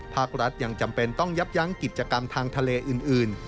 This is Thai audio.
ภาครัฐยังจำเป็นต้องยับยั้งกิจกรรมทางทะเลอื่น